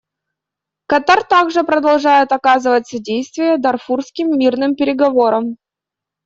Катар также продолжает оказывать содействие дарфурским мирным переговорам.